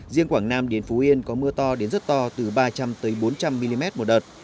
riêng quảng nam đến phú yên có mưa to đến rất to từ ba trăm linh bốn trăm linh mm một đợt